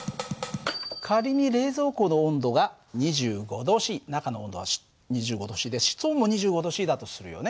仮に冷蔵庫の温度が２５℃中の温度は２５℃で室温も２５℃だとするよね。